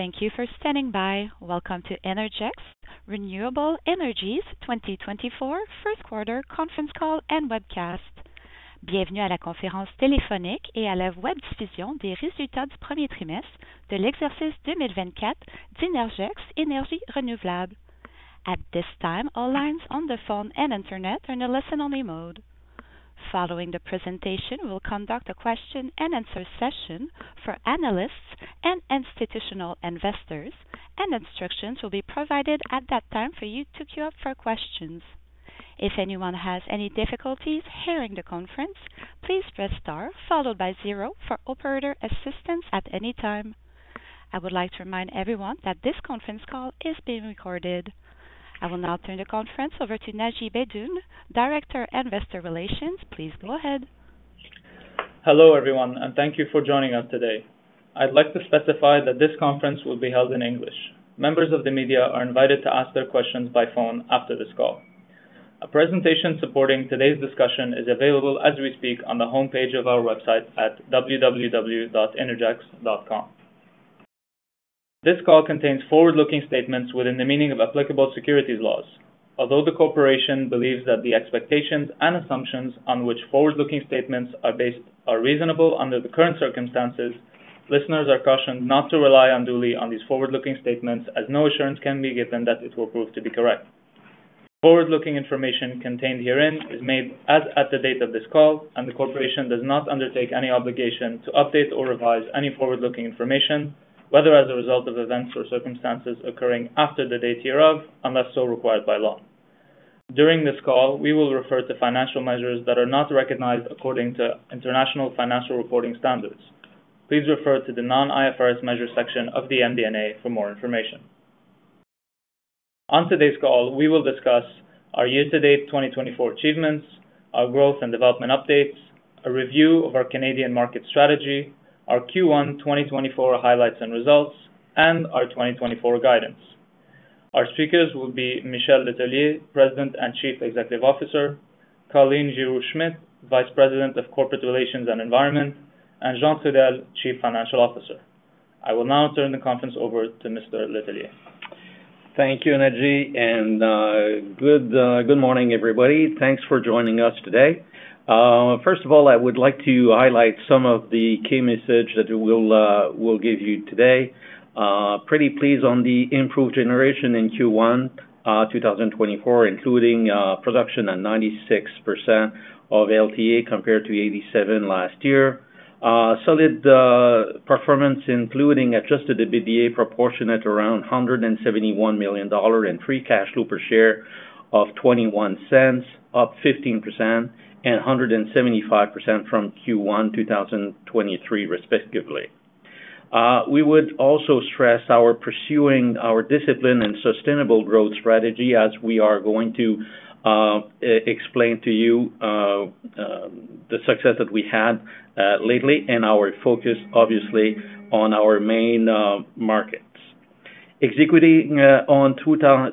Thank you for standing by. Welcome to Innergex Renewable Energy's 2024 first quarter conference call and webcast. Bienvenue à la conférence téléphonique et à la webdiffusion des résultats du premier trimestre de l'exercice 2024 d'Innergex Énergies Renouvelables. At this time, all lines on the phone and internet are in a listen-only mode. Following the presentation, we will conduct a question-and-answer session for analysts and institutional investors, and instructions will be provided at that time for you to queue up for questions. If anyone has any difficulties hearing the conference, please press star followed by 0 for operator assistance at any time. I would like to remind everyone that this conference call is being recorded. I will now turn the conference over to Naji Baydoun, Director of Investor Relations. Please go ahead. Hello everyone, and thank you for joining us today. I'd like to specify that this conference will be held in English. Members of the media are invited to ask their questions by phone after this call. A presentation supporting today's discussion is available as we speak on the homepage of our website at www.innergex.com. This call contains forward-looking statements within the meaning of applicable securities laws. Although the corporation believes that the expectations and assumptions on which forward-looking statements are based are reasonable under the current circumstances, listeners are cautioned not to rely unduly on these forward-looking statements as no assurance can be given that it will prove to be correct. Forward-looking information contained herein is made as at the date of this call, and the corporation does not undertake any obligation to update or revise any forward-looking information, whether as a result of events or circumstances occurring after the date hereof, unless so required by law. During this call, we will refer to financial measures that are not recognized according to international financial reporting standards. Please refer to the non-IFRS measures section of the MD&A for more information. On today's call, we will discuss our year-to-date 2024 achievements, our growth and development updates, a review of our Canadian market strategy, our Q1 2024 highlights and results, and our 2024 guidance. Our speakers will be Michel Letellier, President and Chief Executive Officer; Karine Vachon, Vice President of Corporate Relations and Environment; and Jean Trudel, Chief Financial Officer. I will now turn the conference over to Mr. Letellier. Thank you, Naji, and good morning, everybody. Thanks for joining us today. First of all, I would like to highlight some of the key message that we'll give you today. Pretty pleased on the improved generation in Q1 2024, including production at 96% of LTA compared to 87% last year. Solid performance, including adjusted EBITDA proportionate around 171 million dollar and free cash flow per share of 0.21, up 15% and 175% from Q1 2023, respectively. We would also stress our pursuing our discipline and sustainable growth strategy as we are going to explain to you the success that we had lately and our focus, obviously, on our main markets. Focus on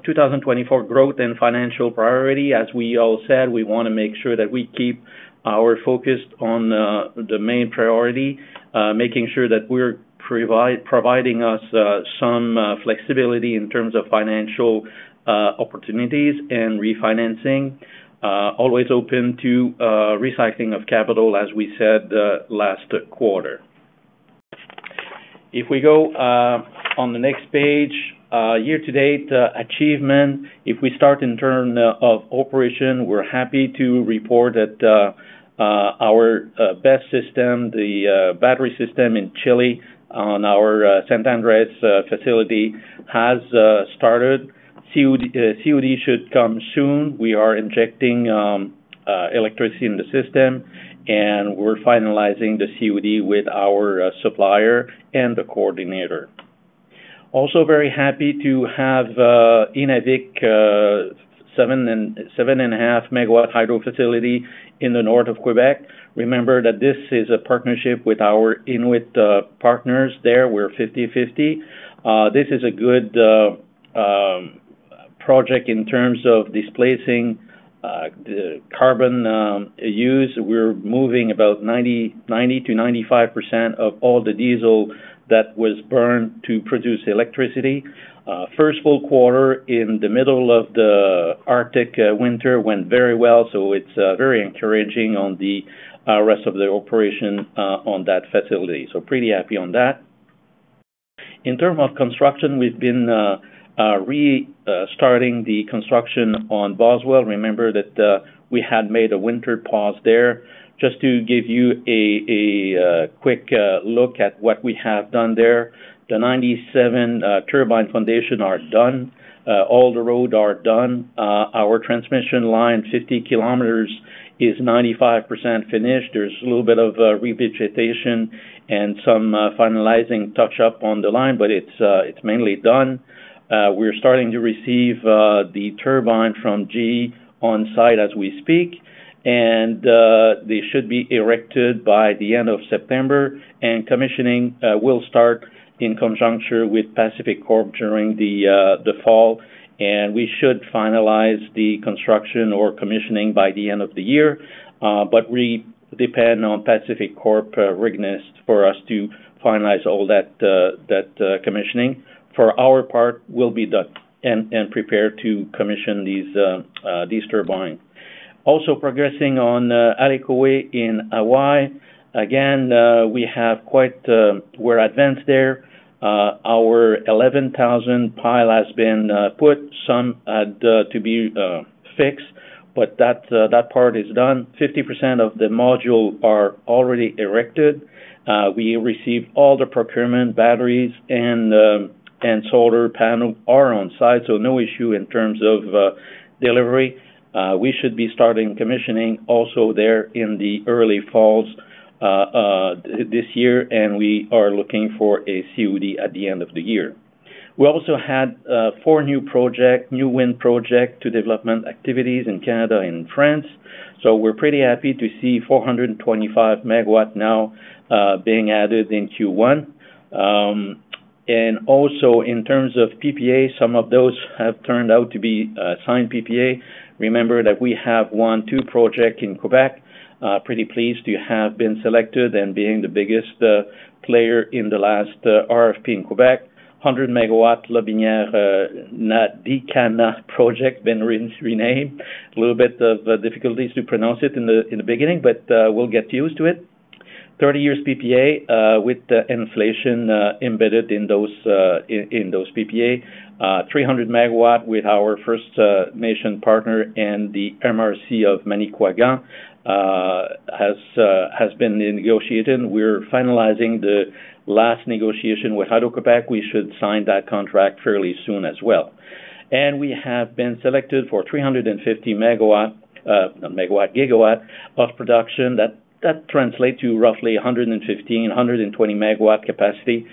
2024 growth and financial priority, as we all said, we want to make sure that we keep our focus on the main priority, making sure that we're providing us some flexibility in terms of financial opportunities and refinancing, always open to recycling of capital, as we said last quarter. If we go on the next page, year-to-date achievement, if we start in terms of operation, we're happy to report that our BESS, the battery system in Chile on our San Andrés facility, has started. COD should come soon. We are injecting electricity in the system, and we're finalizing the COD with our supplier and the coordinator. Also, very happy to have Innavik 7.5-MW hydro facility in the north of Quebec. Remember that this is a partnership with our Inuit partners there. We're 50/50. This is a good project in terms of displacing the carbon use. We're moving about 90%-95% of all the diesel that was burned to produce electricity. First full quarter in the middle of the Arctic winter went very well, so it's very encouraging on the rest of the operation on that facility. So pretty happy on that. In terms of construction, we've been restarting the construction on Boswell. Remember that we had made a winter pause there. Just to give you a quick look at what we have done there, the 97 turbine foundations are done. All the roads are done. Our transmission line, 50 km, is 95% finished. There's a little bit of revegetation and some finalizing touch-up on the line, but it's mainly done. We're starting to receive the turbine from GE on site as we speak, and they should be erected by the end of September. Commissioning will start in conjunction with PacifiCorp during the fall, and we should finalize the construction or commissioning by the end of the year. But we depend on PacifiCorp readiness for us to finalize all that commissioning. For our part, we'll be done and prepared to commission these turbines. Also, progressing on Hale Kuawehi in Hawaii, again, we're advanced there. Our 11,000 piles have been put, some had to be fixed, but that part is done. 50% of the modules are already erected. We received all the procurement batteries and solar panels are on site, so no issue in terms of delivery. We should be starting commissioning also there in the early fall this year, and we are looking for a COD at the end of the year. We also had four new wind projects to development activities in Canada and France. So we're pretty happy to see 425 megawatts now being added in Q1. And also, in terms of PPA, some of those have turned out to be signed PPA. Remember that we have one, two projects in Québec. Pretty pleased to have been selected and being the biggest player in the last RFP in Québec. 100-megawatt Lotbinière Ndakina project, been renamed. A little bit of difficulties to pronounce it in the beginning, but we'll get used to it. 30-year PPA with inflation embedded in those PPA. 300 megawatts with our First Nation partner and the MRC of Manicouagan has been negotiated. We're finalizing the last negotiation with Hydro-Québec. We should sign that contract fairly soon as well. And we have been selected for 350 megawatt, not megawatt, gigawatt of production. That translates to roughly 115-120 megawatt capacity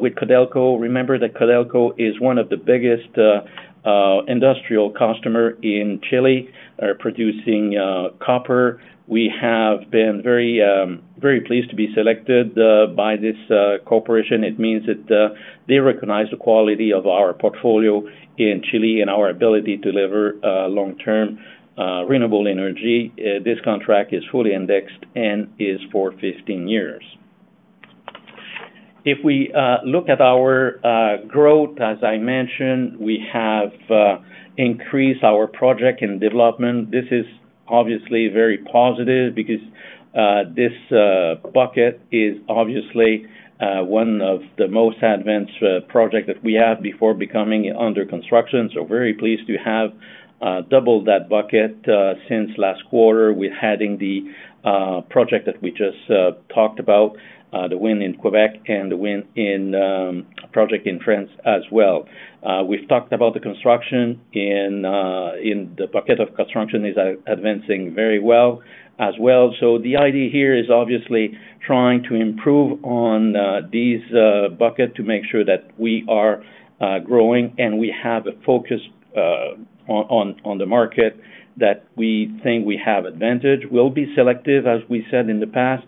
with Codelco. Remember that Codelco is one of the biggest industrial customers in Chile, producing copper. We have been very pleased to be selected by this corporation. It means that they recognize the quality of our portfolio in Chile and our ability to deliver long-term renewable energy. This contract is fully indexed and is for 15 years. If we look at our growth, as I mentioned, we have increased our project in development. This is obviously very positive because this bucket is obviously one of the most advanced projects that we have before becoming under construction. So very pleased to have doubled that bucket since last quarter with adding the project that we just talked about, the wind in Quebec and the wind project in France as well. We've talked about the construction in the bucket of construction is advancing very well as well. So the idea here is obviously trying to improve on this bucket to make sure that we are growing and we have a focus on the market that we think we have advantage. We'll be selective, as we said in the past.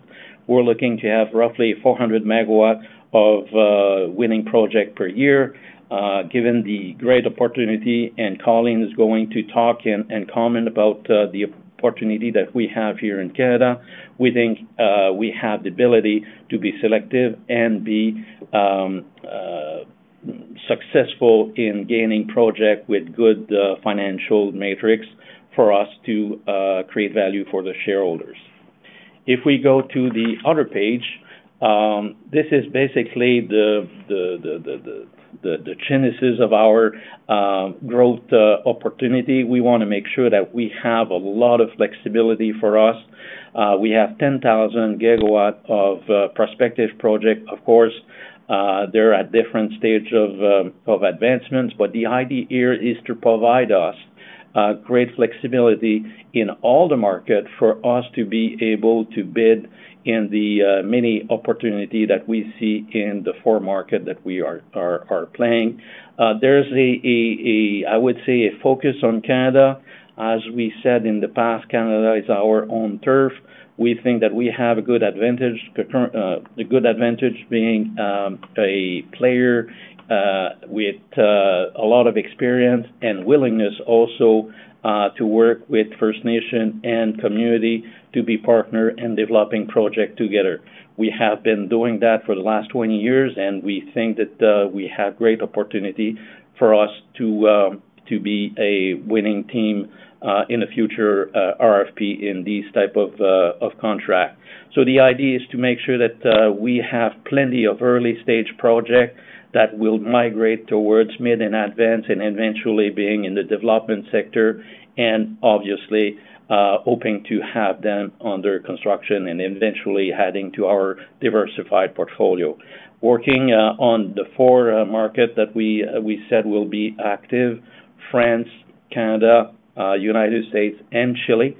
We're looking to have roughly 400 MW of winning projects per year. Given the great opportunity and Karine is going to talk and comment about the opportunity that we have here in Canada, we think we have the ability to be selective and be successful in gaining projects with good financial metrics for us to create value for the shareholders. If we go to the other page, this is basically the genesis of our growth opportunity. We want to make sure that we have a lot of flexibility for us. We have 10,000 GW of prospective projects. Of course, they're at different stages of advancements, but the idea here is to provide us great flexibility in all the markets for us to be able to bid in the many opportunities that we see in the four markets that we are playing. There's a, I would say, a focus on Canada. As we said in the past, Canada is our own turf. We think that we have a good advantage, the good advantage being a player with a lot of experience and willingness also to work with First Nations and community to be partners in developing projects together. We have been doing that for the last 20 years, and we think that we have great opportunity for us to be a winning team in a future RFP in this type of contract. So the idea is to make sure that we have plenty of early-stage projects that will migrate towards mid and advanced and eventually being in the development sector and obviously hoping to have them under construction and eventually adding to our diversified portfolio. Working on the four markets that we said will be active, France, Canada, United States, and Chile,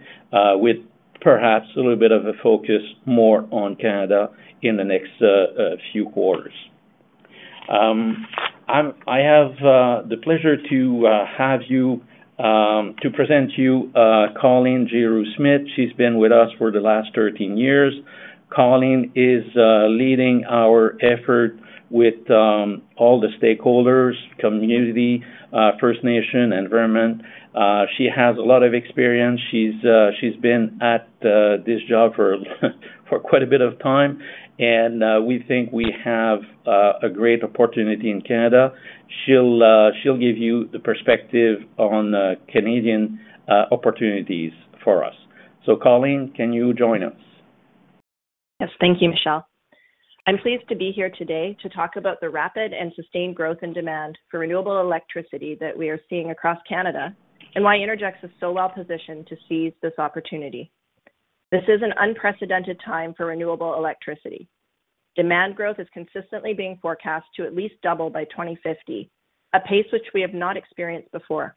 with perhaps a little bit of a focus more on Canada in the next few quarters. I have the pleasure to present to you Colleen Giroux-Schmidt. She's been with us for the last 13 years. Colleen is leading our effort with all the stakeholders, community, First Nations, environment. She has a lot of experience. She's been at this job for quite a bit of time, and we think we have a great opportunity in Canada. She'll give you the perspective on Canadian opportunities for us. Karine, can you join us? Yes. Thank you, Michel. I'm pleased to be here today to talk about the rapid and sustained growth in demand for renewable electricity that we are seeing across Canada and why Innergex is so well positioned to seize this opportunity. This is an unprecedented time for renewable electricity. Demand growth is consistently being forecast to at least double by 2050, a pace which we have not experienced before.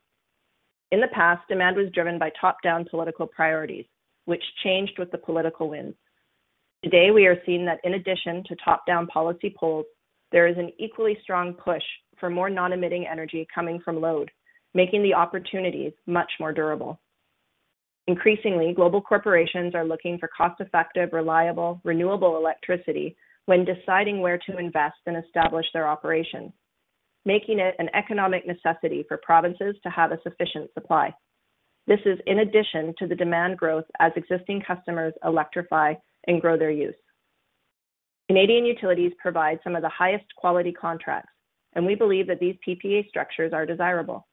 In the past, demand was driven by top-down political priorities, which changed with the political winds. Today, we are seeing that in addition to top-down policy polls, there is an equally strong push for more non-emitting energy coming from load, making the opportunities much more durable. Increasingly, global corporations are looking for cost-effective, reliable, renewable electricity when deciding where to invest and establish their operations, making it an economic necessity for provinces to have a sufficient supply. This is in addition to the demand growth as existing customers electrify and grow their use. Canadian utilities provide some of the highest quality contracts, and we believe that these PPA structures are desirable.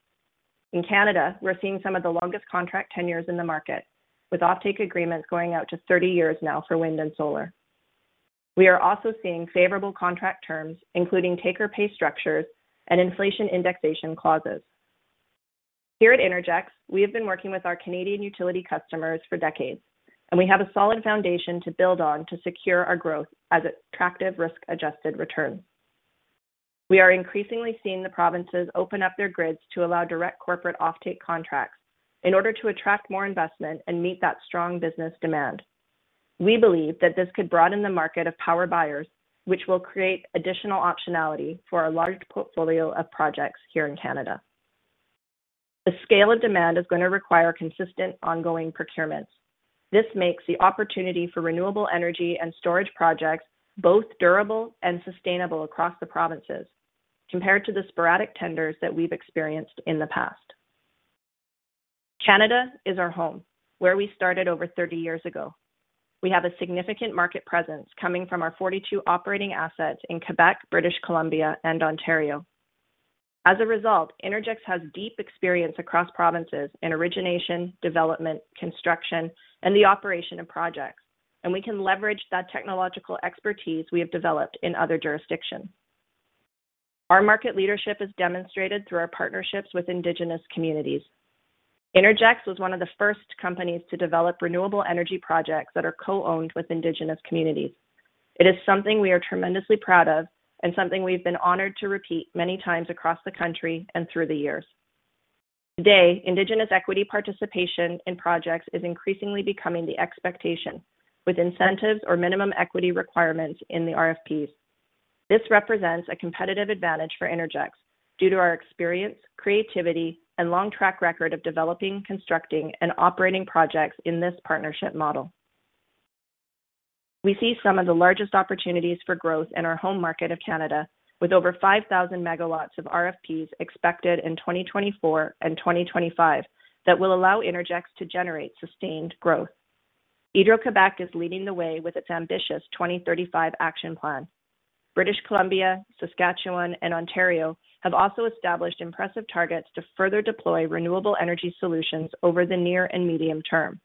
In Canada, we're seeing some of the longest contract tenures in the market, with offtake agreements going out to 30 years now for wind and solar. We are also seeing favorable contract terms, including take-or-pay structures and inflation indexation clauses. Here at Innergex, we have been working with our Canadian utility customers for decades, and we have a solid foundation to build on to secure our growth as attractive, risk-adjusted returns. We are increasingly seeing the provinces open up their grids to allow direct corporate offtake contracts in order to attract more investment and meet that strong business demand. We believe that this could broaden the market of power buyers, which will create additional optionality for our large portfolio of projects here in Canada. The scale of demand is going to require consistent, ongoing procurements. This makes the opportunity for renewable energy and storage projects both durable and sustainable across the provinces compared to the sporadic tenders that we've experienced in the past. Canada is our home, where we started over 30 years ago. We have a significant market presence coming from our 42 operating assets in Quebec, British Columbia, and Ontario. As a result, Innergex has deep experience across provinces in origination, development, construction, and the operation of projects, and we can leverage that technological expertise we have developed in other jurisdictions. Our market leadership is demonstrated through our partnerships with Indigenous communities. Innergex was one of the first companies to develop renewable energy projects that are co-owned with Indigenous communities. It is something we are tremendously proud of and something we've been honored to repeat many times across the country and through the years. Today, Indigenous equity participation in projects is increasingly becoming the expectation with incentives or minimum equity requirements in the RFPs. This represents a competitive advantage for Innergex due to our experience, creativity, and long track record of developing, constructing, and operating projects in this partnership model. We see some of the largest opportunities for growth in our home market of Canada, with over 5,000 megawatts of RFPs expected in 2024 and 2025 that will allow Innergex to generate sustained growth. Hydro-Québec is leading the way with its ambitious 2035 action plan. British Columbia, Saskatchewan, and Ontario have also established impressive targets to further deploy renewable energy solutions over the near and medium term.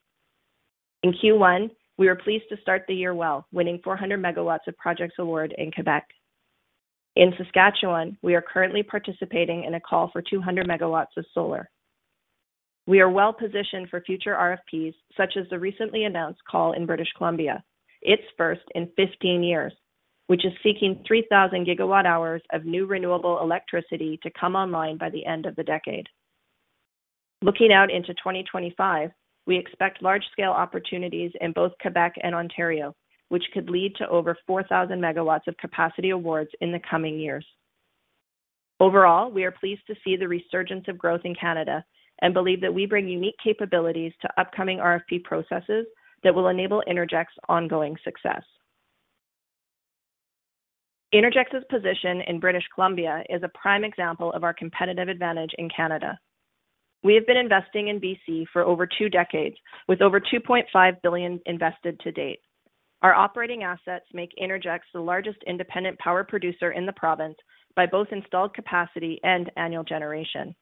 In Q1, we were pleased to start the year well, winning 400 megawatts of projects award in Quebec. In Saskatchewan, we are currently participating in a call for 200 megawatts of solar. We are well positioned for future RFPs such as the recently announced call in British Columbia, its first in 15 years, which is seeking 3,000 gigawatt-hours of new renewable electricity to come online by the end of the decade. Looking out into 2025, we expect large-scale opportunities in both Quebec and Ontario, which could lead to over 4,000 megawatts of capacity awards in the coming years. Overall, we are pleased to see the resurgence of growth in Canada and believe that we bring unique capabilities to upcoming RFP processes that will enable Innergex's ongoing success. Innergex's position in British Columbia is a prime example of our competitive advantage in Canada. We have been investing in BC for over two decades, with over 2.5 billion invested to date. Our operating assets make Innergex the largest independent power producer in the province by both installed capacity and annual generation.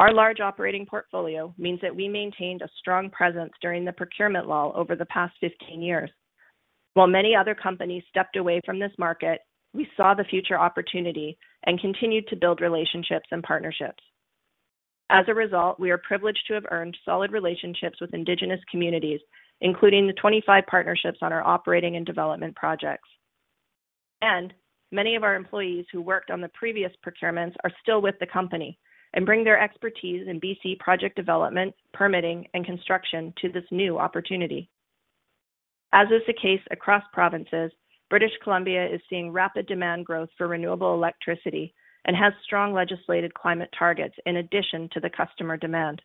Our large operating portfolio means that we maintained a strong presence during the procurement law over the past 15 years. While many other companies stepped away from this market, we saw the future opportunity and continued to build relationships and partnerships. As a result, we are privileged to have earned solid relationships with Indigenous communities, including the 25 partnerships on our operating and development projects. Many of our employees who worked on the previous procurements are still with the company and bring their expertise in BC project development, permitting, and construction to this new opportunity. As is the case across provinces, British Columbia is seeing rapid demand growth for renewable electricity and has strong legislated climate targets in addition to the customer demand.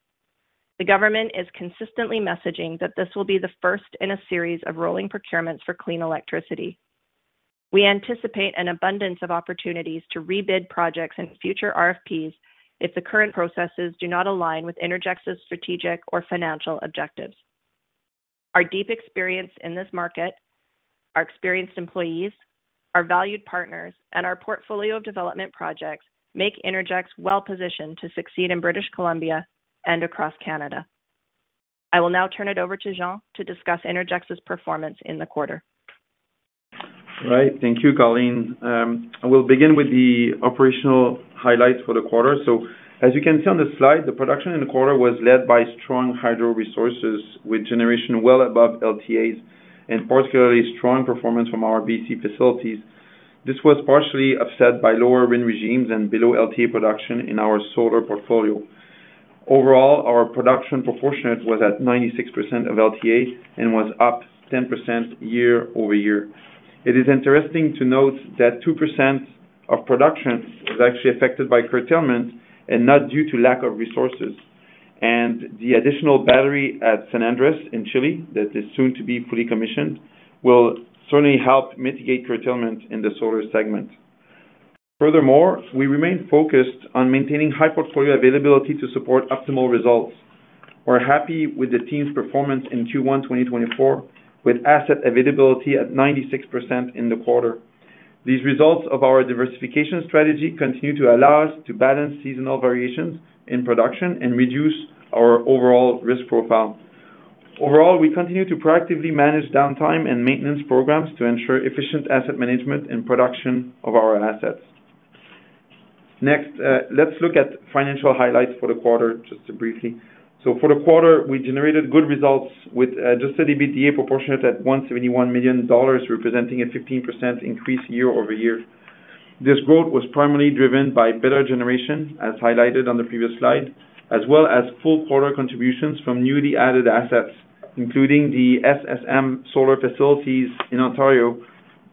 The government is consistently messaging that this will be the first in a series of rolling procurements for clean electricity. We anticipate an abundance of opportunities to rebid projects and future RFPs if the current processes do not align with Innergex's strategic or financial objectives. Our deep experience in this market, our experienced employees, our valued partners, and our portfolio of development projects make Innergex well positioned to succeed in British Columbia and across Canada. I will now turn it over to Jean to discuss Innergex's performance in the quarter. All right. Thank you, Karine. I will begin with the operational highlights for the quarter. As you can see on the slide, the production in the quarter was led by strong hydro resources with generation well above LTAs and particularly strong performance from our BC facilities. This was partially offset by lower wind regimes and below LTA production in our solar portfolio. Overall, our production proportionate was at 96% of LTA and was up 10% year-over-year. It is interesting to note that 2% of production was actually affected by curtailment and not due to lack of resources. The additional battery at San Andrés in Chile that is soon to be fully commissioned will certainly help mitigate curtailment in the solar segment. Furthermore, we remain focused on maintaining high portfolio availability to support optimal results. We're happy with the team's performance in Q1 2024, with asset availability at 96% in the quarter. These results of our diversification strategy continue to allow us to balance seasonal variations in production and reduce our overall risk profile. Overall, we continue to proactively manage downtime and maintenance programs to ensure efficient asset management and production of our assets. Next, let's look at financial highlights for the quarter, just briefly. So for the quarter, we generated good results with Adjusted EBITDA proportionate at 171 million dollars, representing a 15% increase year-over-year. This growth was primarily driven by better generation, as highlighted on the previous slide, as well as full quarter contributions from newly added assets, including the SSM solar facilities in Ontario,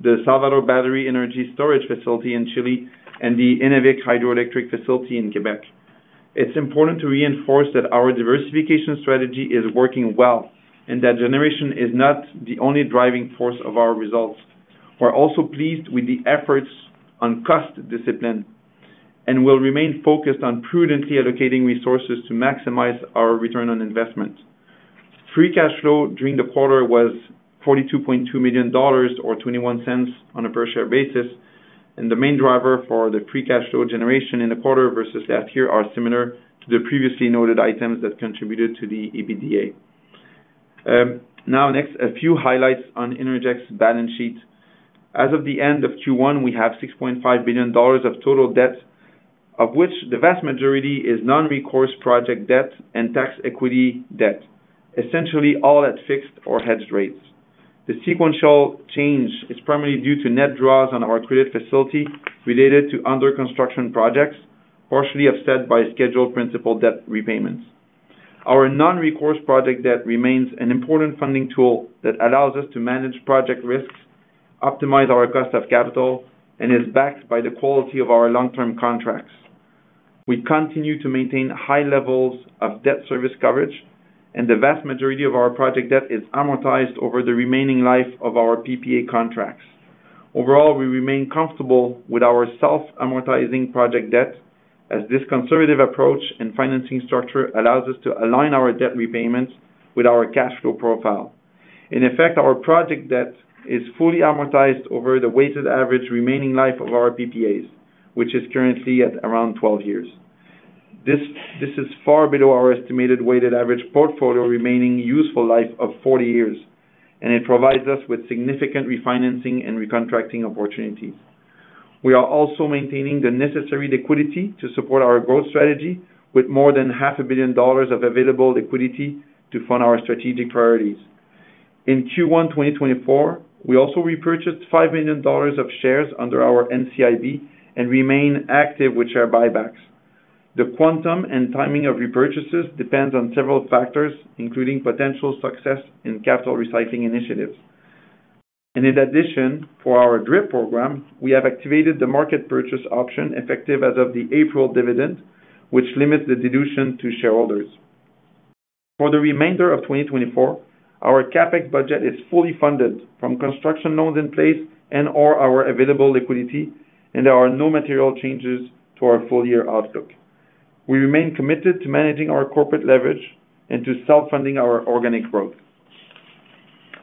the Salvador battery energy storage facility in Chile, and the Innavik hydroelectric facility in Quebec. It's important to reinforce that our diversification strategy is working well and that generation is not the only driving force of our results. We're also pleased with the efforts on cost discipline and will remain focused on prudently allocating resources to maximize our return on investment. Free cash flow during the quarter was 42.2 million dollars or 0.21 on a per-share basis, and the main driver for the free cash flow generation in the quarter versus last year are similar to the previously noted items that contributed to the EBITDA. Now, next, a few highlights on Innergex's balance sheet. As of the end of Q1, we have 6.5 billion dollars of total debt, of which the vast majority is non-recourse project debt and tax equity debt, essentially all at fixed or hedged rates. The sequential change is primarily due to net draws on our credit facility related to under-construction projects, partially upset by scheduled principal debt repayments. Our non-recourse project debt remains an important funding tool that allows us to manage project risks, optimize our cost of capital, and is backed by the quality of our long-term contracts. We continue to maintain high levels of debt service coverage, and the vast majority of our project debt is amortized over the remaining life of our PPA contracts. Overall, we remain comfortable with our self-amortizing project debt, as this conservative approach and financing structure allows us to align our debt repayments with our cash flow profile. In effect, our project debt is fully amortized over the weighted average remaining life of our PPAs, which is currently at around 12 years. This is far below our estimated weighted average portfolio remaining useful life of 40 years, and it provides us with significant refinancing and recontracting opportunities. We are also maintaining the necessary liquidity to support our growth strategy, with more than $500 million of available liquidity to fund our strategic priorities. In Q1 2024, we also repurchased $5 million of shares under our NCIB and remain active with share buybacks. The quantum and timing of repurchases depends on several factors, including potential success in capital recycling initiatives. And in addition, for our DRIP program, we have activated the market purchase option effective as of the April dividend, which limits the deduction to shareholders. For the remainder of 2024, our CapEx budget is fully funded from construction loans in place and/or our available liquidity, and there are no material changes to our full-year outlook. We remain committed to managing our corporate leverage and to self-funding our organic growth.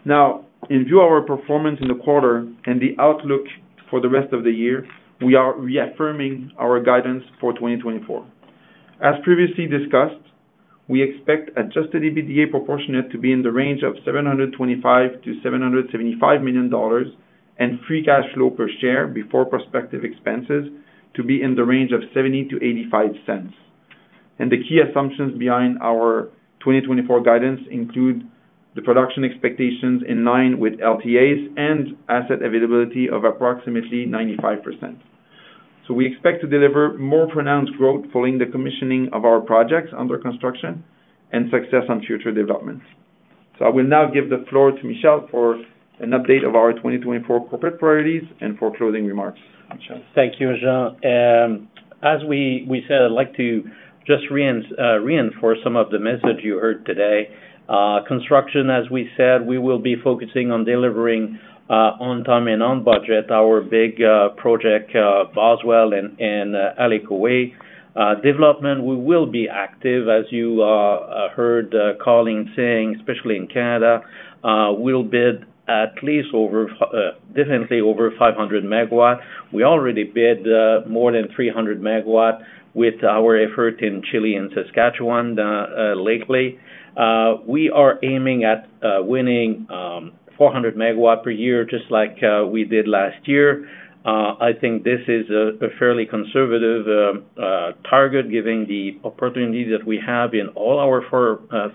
Now, in view of our performance in the quarter and the outlook for the rest of the year, we are reaffirming our guidance for 2024. As previously discussed, we expect Adjusted EBITDA proportionate to be in the range of 725 million-775 million dollars, and Free Cash Flow per share before prospective expenses to be in the range of 0.70-0.85. The key assumptions behind our 2024 guidance include the production expectations in line with LTAs and asset availability of approximately 95%. We expect to deliver more pronounced growth following the commissioning of our projects under construction and success on future developments. I will now give the floor to Michel for an update of our 2024 corporate priorities and for closing remarks. Michel. Thank you, Jean. As we said, I'd like to just reinforce some of the message you heard today. Construction, as we said, we will be focusing on delivering on time and on budget, our big project, Boswell and Hale Kuawehi. Development, we will be active. As you heard Karine saying, especially in Canada, we'll bid definitely over 500 MW. We already bid more than 300 MW with our effort in Chile and Saskatchewan lately. We are aiming at winning 400 MW per year, just like we did last year. I think this is a fairly conservative target, given the opportunity that we have in all our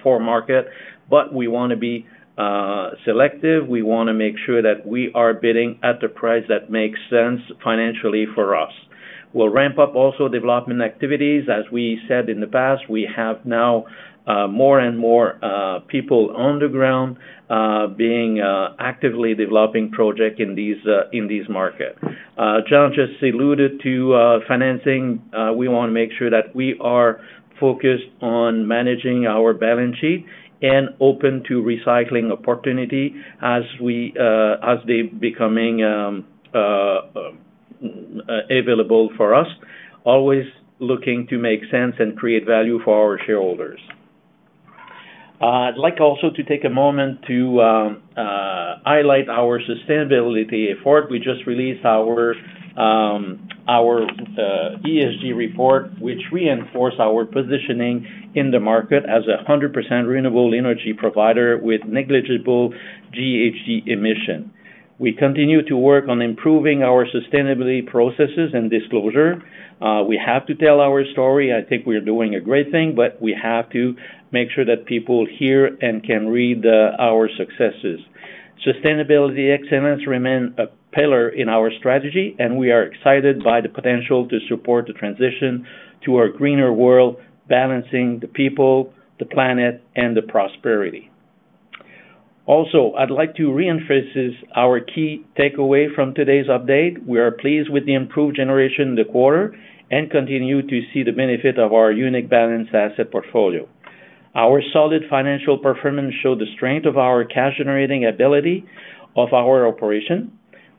four markets. But we want to be selective. We want to make sure that we are bidding at the price that makes sense financially for us. We'll ramp up also development activities. As we said in the past, we have now more and more people on the ground being actively developing projects in these markets. Jean just alluded to financing. We want to make sure that we are focused on managing our balance sheet and open to recycling opportunities as they're becoming available for us, always looking to make sense and create value for our shareholders. I'd like also to take a moment to highlight our sustainability effort. We just released our ESG report, which reinforced our positioning in the market as a 100% renewable energy provider with negligible GHG emission. We continue to work on improving our sustainability processes and disclosure. We have to tell our story. I think we're doing a great thing, but we have to make sure that people hear and can read our successes. Sustainability excellence remains a pillar in our strategy, and we are excited by the potential to support the transition to a greener world, balancing the people, the planet, and the prosperity. Also, I'd like to reemphasize our key takeaway from today's update. We are pleased with the improved generation in the quarter and continue to see the benefit of our unique balanced asset portfolio. Our solid financial performance showed the strength of our cash-generating ability of our operation.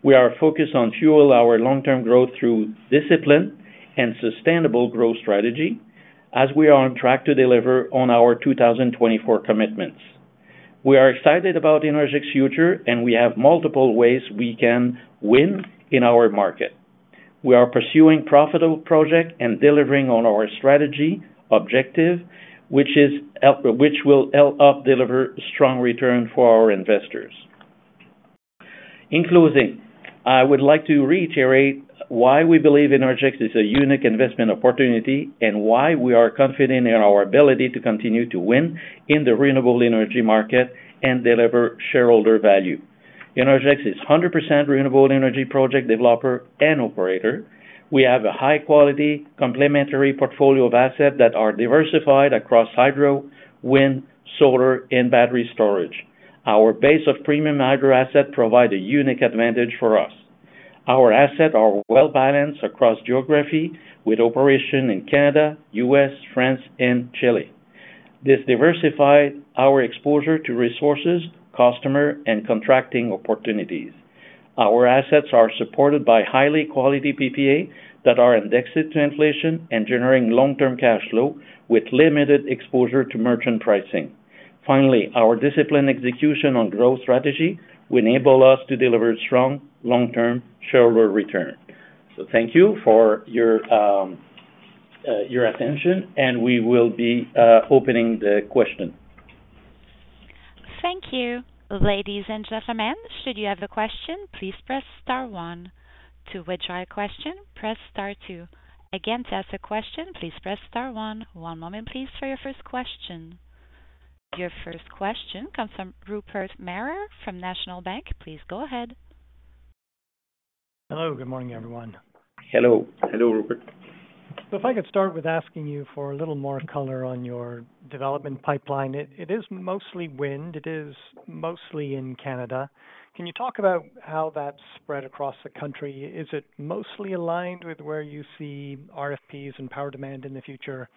We are focused on fueling our long-term growth through discipline and sustainable growth strategy, as we are on track to deliver on our 2024 commitments. We are excited about Innergex's future, and we have multiple ways we can win in our market. We are pursuing profitable projects and delivering on our strategy objective, which will help deliver strong returns for our investors. In closing, I would like to reiterate why we believe Innergex is a unique investment opportunity and why we are confident in our ability to continue to win in the renewable energy market and deliver shareholder value. Innergex is a 100% renewable energy project developer and operator. We have a high-quality, complementary portfolio of assets that are diversified across hydro, wind, solar, and battery storage. Our base of premium hydro assets provides a unique advantage for us. Our assets are well balanced across geography, with operations in Canada, the U.S., France, and Chile. This diversifies our exposure to resources, customers, and contracting opportunities. Our assets are supported by high quality PPAs that are indexed to inflation and generate long-term cash flow with limited exposure to merchant pricing. Finally, our disciplined execution on growth strategy enables us to deliver strong, long-term shareholder returns. Thank you for your attention, and we will be opening the questions. Thank you, ladies and gentlemen. Should you have a question, please press star 1. To withdraw a question, press star 2. Again, to ask a question, please press star 1. One moment, please, for your first question. Your first question comes from Rupert Merer from National Bank. Please go ahead. Hello. Good morning, everyone. Hello. Hello, Rupert. If I could start with asking you for a little more color on your development pipeline. It is mostly wind. It is mostly in Canada. Can you talk about how that's spread across the country? Is it mostly aligned with where you see RFPs and power demand in the future?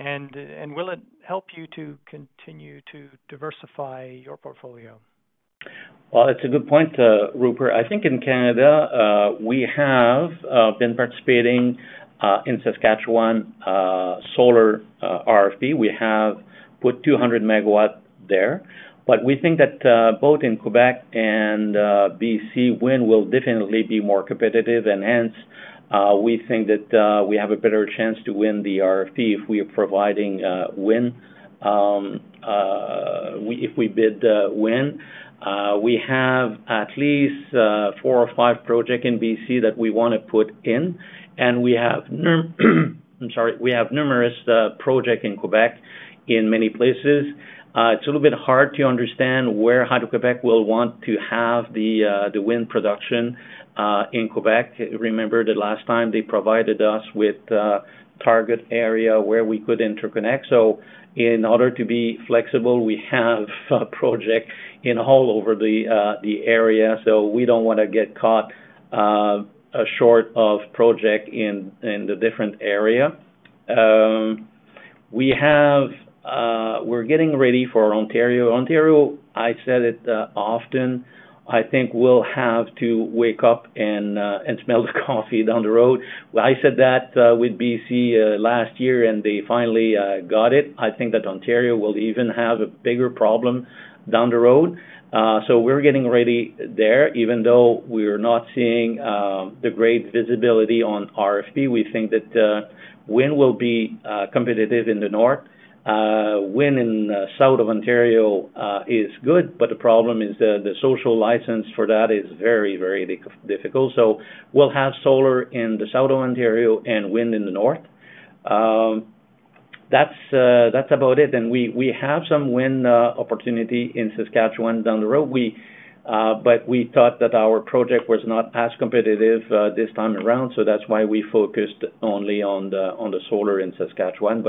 And will it help you to continue to diversify your portfolio? Well, it's a good point, Rupert. I think in Canada, we have been participating in Saskatchewan solar RFP. We have put 200 megawatts there. But we think that both in Quebec and BC, wind will definitely be more competitive. And hence, we think that we have a better chance to win the RFP if we are providing wind if we bid wind. We have at least four or five projects in BC that we want to put in. And we have. I'm sorry. We have numerous projects in Quebec, in many places. It's a little bit hard to understand where Hydro-Québec will want to have the wind production in Quebec. Remember the last time they provided us with a target area where we could interconnect? So in order to be flexible, we have projects all over the area. So we don't want to get caught short of projects in the different areas. We're getting ready for Ontario. Ontario, I said it often, I think will have to wake up and smell the coffee down the road. I said that with B.C. last year, and they finally got it. I think that Ontario will even have a bigger problem down the road. So we're getting ready there. Even though we're not seeing the great visibility on RFP, we think that wind will be competitive in the north. Wind in the south of Ontario is good, but the problem is the social license for that is very, very difficult. So we'll have solar in the south of Ontario and wind in the north. That's about it. And we have some wind opportunity in Saskatchewan down the road, but we thought that our project was not as competitive this time around. That's why we focused only on the solar in Saskatchewan.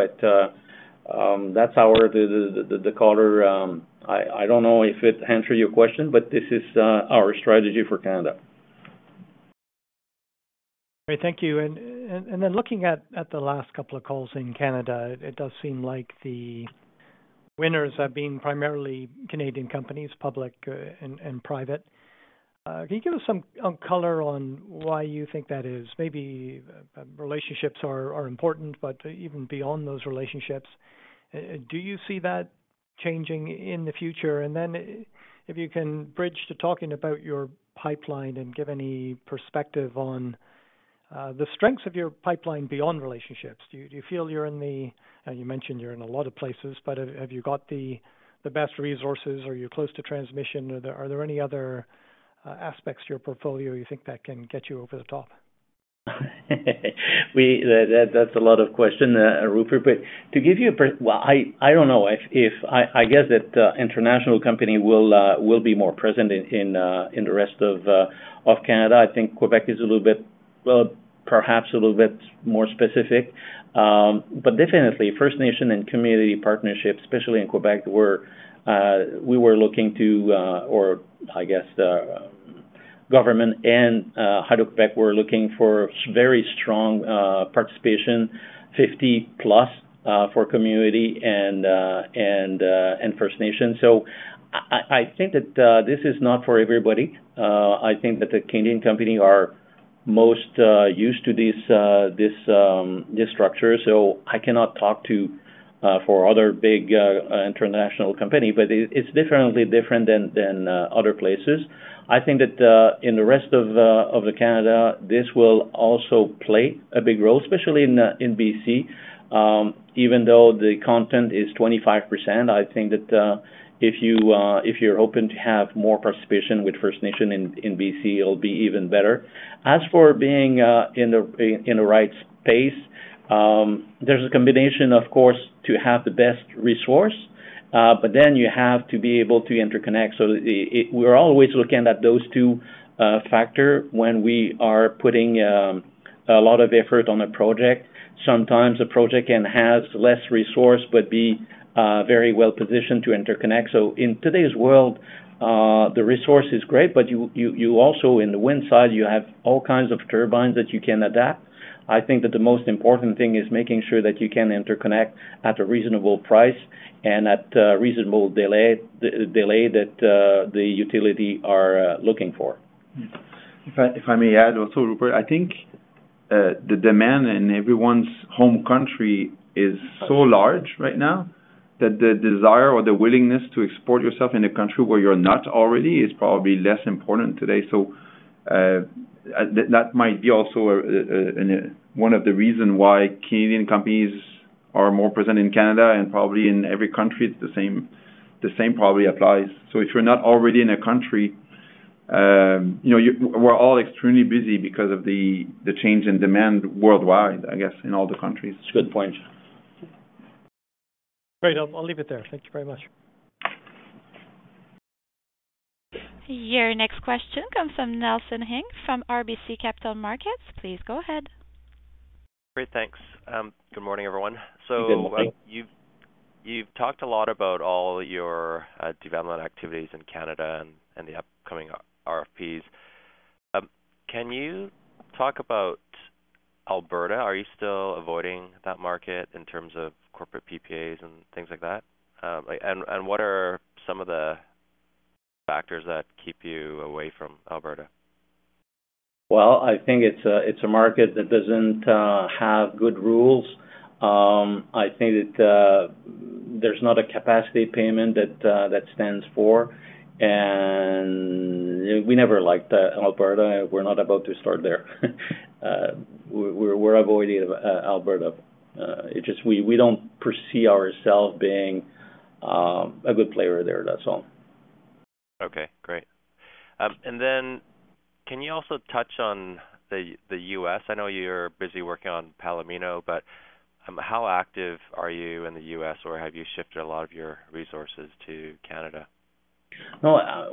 That's the color. I don't know if it answers your question, but this is our strategy for Canada. Great. Thank you. And then looking at the last couple of calls in Canada, it does seem like the winners have been primarily Canadian companies, public and private. Can you give us some color on why you think that is? Maybe relationships are important, but even beyond those relationships, do you see that changing in the future? And then if you can bridge to talking about your pipeline and give any perspective on the strengths of your pipeline beyond relationships. Do you feel you're in the and you mentioned you're in a lot of places, but have you got the best resources? Are you close to transmission? Are there any other aspects to your portfolio you think that can get you over the top? That's a lot of questions, Rupert. But to give you a well, I don't know. I guess that international companies will be more present in the rest of Canada. I think Québec is a little bit well, perhaps a little bit more specific. But definitely, First Nation and community partnerships, especially in Québec, we were looking to or I guess government and Hydro-Québec were looking for very strong participation, 50+ for community and First Nation. So I think that this is not for everybody. I think that the Canadian companies are most used to this structure. So I cannot talk for other big international companies, but it's definitely different than other places. I think that in the rest of Canada, this will also play a big role, especially in BC. Even though the content is 25%, I think that if you're open to have more participation with First Nation in BC, it'll be even better. As for being in the right space, there's a combination, of course, to have the best resource, but then you have to be able to interconnect. So we're always looking at those two factors when we are putting a lot of effort on a project. Sometimes a project can have less resources but be very well positioned to interconnect. So in today's world, the resource is great, but also, on the wind side, you have all kinds of turbines that you can adapt. I think that the most important thing is making sure that you can interconnect at a reasonable price and at a reasonable delay that the utilities are looking for. If I may add also, Rupert, I think the demand in everyone's home country is so large right now that the desire or the willingness to export yourself in a country where you're not already is probably less important today. That might be also one of the reasons why Canadian companies are more present in Canada. Probably in every country, the same probably applies. If you're not already in a country, we're all extremely busy because of the change in demand worldwide, I guess, in all the countries. It's a good point. Great. I'll leave it there. Thank you very much. Your next question comes from Nelson Ng from RBC Capital Markets. Please go ahead. Great. Thanks. Good morning, everyone. So you've talked a lot about all your development activities in Canada and the upcoming RFPs. Can you talk about Alberta? Are you still avoiding that market in terms of corporate PPAs and things like that? And what are some of the factors that keep you away from Alberta? Well, I think it's a market that doesn't have good rules. I think that there's not a capacity payment that stands for. We never liked Alberta. We're not about to start there. We're avoiding Alberta. We don't perceive ourselves as being a good player there. That's all. Okay. Great. And then can you also touch on the U.S.? I know you're busy working on Palomino, but how active are you in the U.S., or have you shifted a lot of your resources to Canada? No. I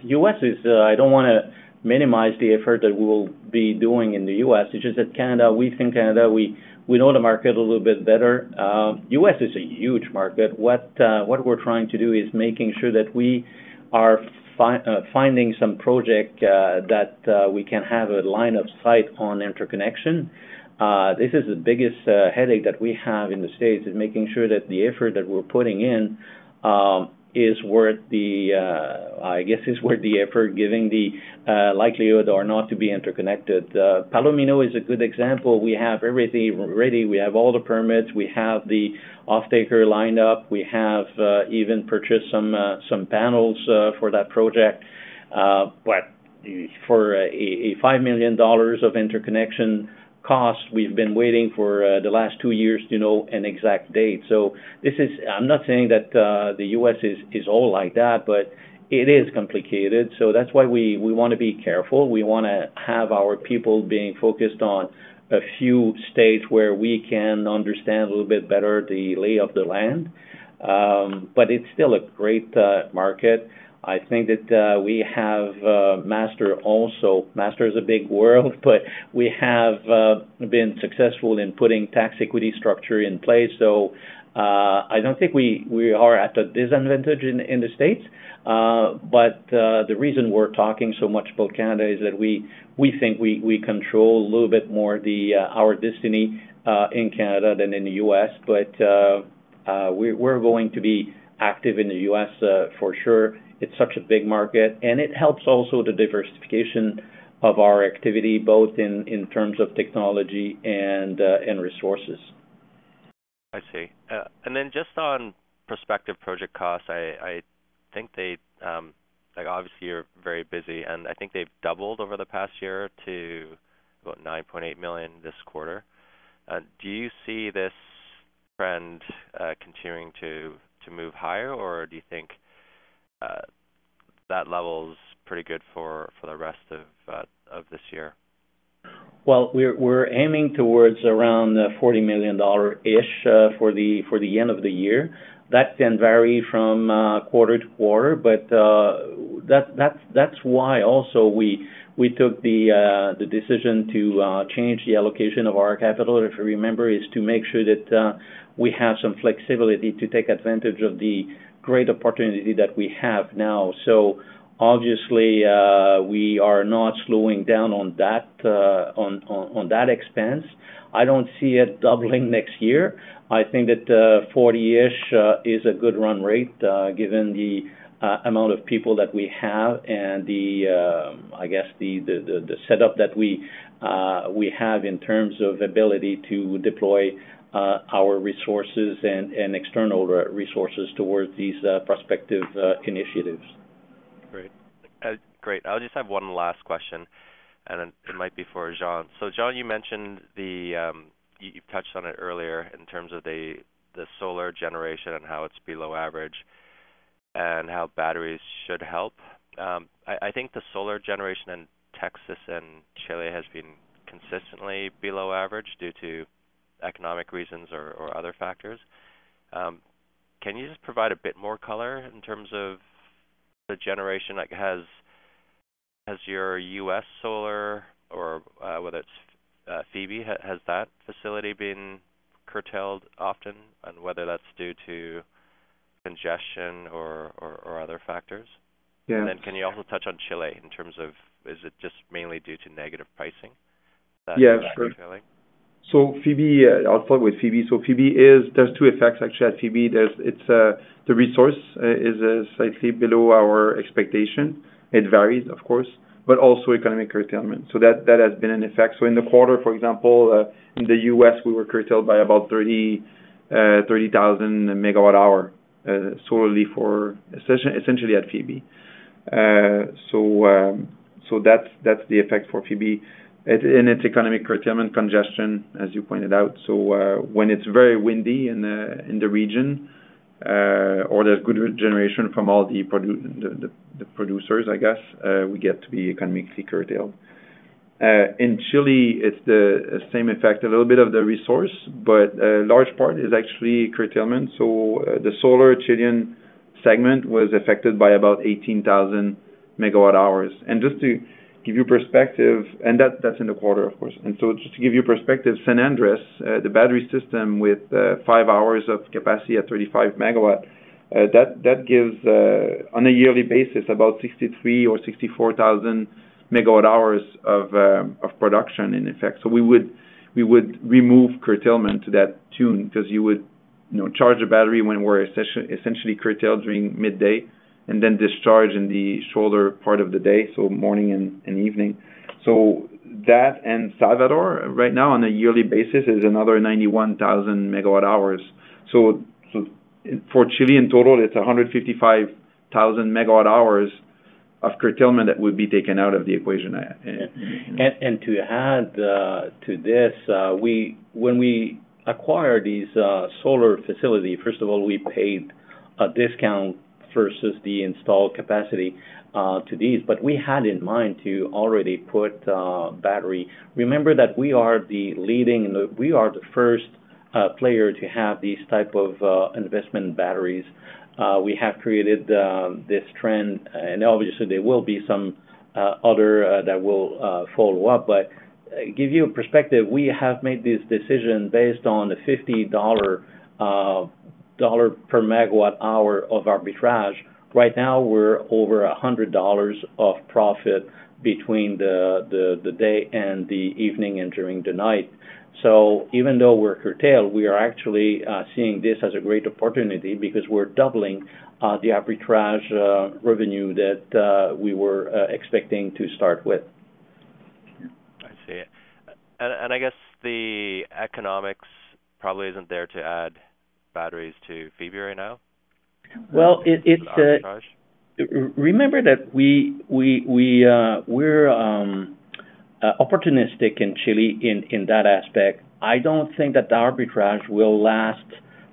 don't want to minimize the effort that we will be doing in the U.S. It's just that Canada, we think Canada, we know the market a little bit better. The U.S. is a huge market. What we're trying to do is making sure that we are finding some projects that we can have a line of sight on interconnection. This is the biggest headache that we have in the States, is making sure that the effort that we're putting in is worth the I guess it's worth the effort, given the likelihood or not to be interconnected. Palomino is a good example. We have everything ready. We have all the permits. We have the off-taker lined up. We have even purchased some panels for that project. But for a $5 million of interconnection cost, we've been waiting for the last two years to know an exact date. So I'm not saying that the U.S. is all like that, but it is complicated. So that's why we want to be careful. We want to have our people being focused on a few states where we can understand a little bit better the lay of the land. But it's still a great market. I think that we have mastered also master is a big word, but we have been successful in putting tax equity structure in place. So I don't think we are at a disadvantage in the States. But the reason we're talking so much about Canada is that we think we control a little bit more our destiny in Canada than in the U.S. But we're going to be active in the U.S., for sure. It's such a big market. And it helps also the diversification of our activity, both in terms of technology and resources. I see. And then just on prospective project costs, I think they obviously are very busy. And I think they've doubled over the past year to about 9.8 million this quarter. Do you see this trend continuing to move higher, or do you think that level is pretty good for the rest of this year? Well, we're aiming towards around the 40 million-ish for the end of the year. That can vary from quarter to quarter. But that's why, also, we took the decision to change the allocation of our capital, if you remember, is to make sure that we have some flexibility to take advantage of the great opportunity that we have now. So obviously, we are not slowing down on that expense. I don't see it doubling next year. I think that 40 million-ish is a good run rate, given the amount of people that we have and, I guess, the setup that we have in terms of ability to deploy our resources and external resources towards these prospective initiatives. Great. Great. I'll just have one last question, and it might be for Jean. So Jean, you mentioned that you've touched on it earlier in terms of the solar generation and how it's below average and how batteries should help. I think the solar generation in Texas and Chile has been consistently below average due to economic reasons or other factors. Can you just provide a bit more color in terms of the generation? Has your US solar, or whether it's Phoebe, has that facility been curtailed often, and whether that's due to congestion or other factors? And then can you also touch on Chile in terms of is it just mainly due to negative pricing that's curtailing? Yeah. Sure. So I'll start with Phoebe. So there's two effects, actually, at Phoebe. The resource is slightly below our expectation. It varies, of course, but also economic curtailment. So that has been an effect. So in the quarter, for example, in the U.S., we were curtailed by about 30,000 megawatt-hours solely, essentially at Phoebe. So that's the effect for Phoebe. And it's economic curtailment, congestion, as you pointed out. So when it's very windy in the region or there's good generation from all the producers, I guess, we get to be economically curtailed. In Chile, it's the same effect, a little bit of the resource, but a large part is actually curtailment. So the solar Chilean segment was affected by about 18,000 megawatt-hours. And just to give you perspective, and that's in the quarter, of course. Just to give you perspective, San Andrés, the battery system with five hours of capacity at 35 MW, that gives, on a yearly basis, about 63,000-64,000 MWh of production, in effect. We would remove curtailment to that tune because you would charge a battery when we're essentially curtailed during midday and then discharge in the shoulder part of the day, so morning and evening. That and Salvador, right now, on a yearly basis, is another 91,000 MWh. For Chile, in total, it's 155,000 MWh of curtailment that would be taken out of the equation. To add to this, when we acquired this solar facility, first of all, we paid a discount versus the installed capacity to these. But we had in mind to already put battery. Remember that we are the first player to have these types of investment batteries. We have created this trend. Obviously, there will be some other that will follow up. To give you a perspective, we have made this decision based on a $50 per MWh of arbitrage. Right now, we're over $100 of profit between the day and the evening and during the night. Even though we're curtailed, we are actually seeing this as a great opportunity because we're doubling the arbitrage revenue that we were expecting to start with. I see. And I guess the economics probably isn't there to add batteries to Phoebe right now? Well, remember that we're opportunistic in Chile in that aspect. I don't think that the arbitrage will last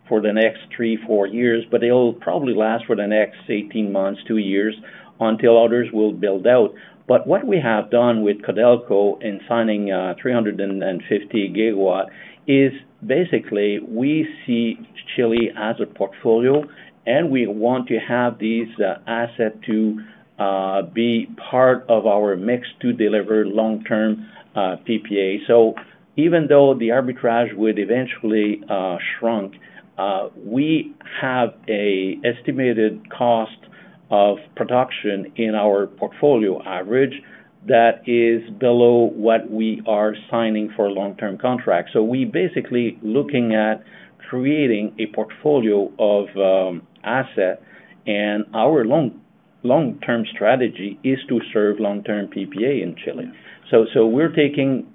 for the next three, four years, but it'll probably last for the next 18 months, two years, until others will build out. But what we have done with Codelco in signing 350 gigawatt is, basically, we see Chile as a portfolio, and we want to have this asset to be part of our mix to deliver long-term PPA. So even though the arbitrage would eventually shrunk, we have an estimated cost of production in our portfolio average that is below what we are signing for long-term contracts. So we're basically looking at creating a portfolio of assets. And our long-term strategy is to serve long-term PPA in Chile. So we're taking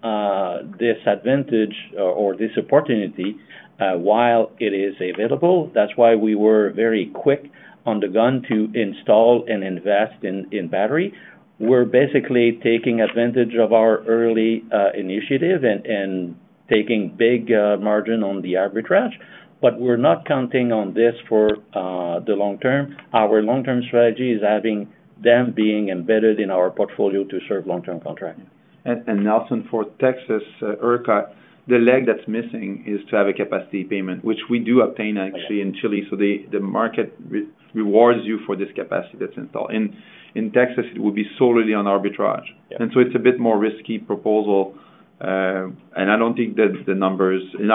this advantage or this opportunity while it is available. That's why we were very quick on the gun to install and invest in battery. We're basically taking advantage of our early initiative and taking a big margin on the arbitrage, but we're not counting on this for the long term. Our long-term strategy is having them being embedded in our portfolio to serve long-term contracts. And Nelson, for Texas, ERCOT, the leg that's missing is to have a capacity payment, which we do obtain, actually, in Chile. So the market rewards you for this capacity that's installed. In Texas, it would be solely on arbitrage. And so it's a bit more risky proposal. And I don't think that the numbers in